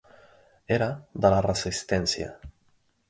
Era de la Resistència.